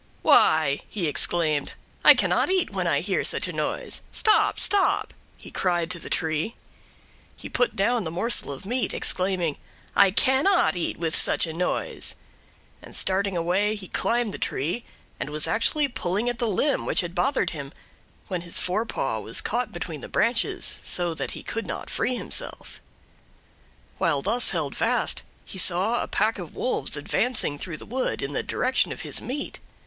"Why," he exclaimed, "I cannot eat when I hear such a noise. "Stop, stop!" he cried to the tree. He put down the morsel of meat, exclaiming. "I CANNOT eat with such a noise," and starting away he climbed the tree and was actually pulling at the limb which had bothered him, when his forepaw was caught between the branches so that he could not free himself. While thus held fast he saw a pack of wolves advancing through the wood in the direction of his meat.